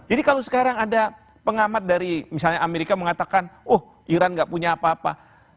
jadi kalau sekarang ada pengamat dari misalnya amerika mengatakan oh iran tidak punya apa apa